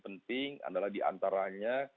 penting adalah diantaranya